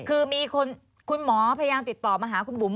คือมีคุณหมอพยายามติดต่อมาหาคุณบุ๋ม